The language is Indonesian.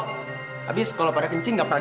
habis kalau pada kencing nggak pernah